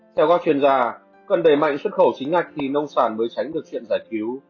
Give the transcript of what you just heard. theo các chuyên gia cần đẩy mạnh xuất khẩu chính ngạch thì nông sản mới tránh được chuyện giải cứu